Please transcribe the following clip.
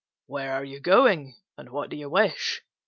"Where are you going, and what do you wish?"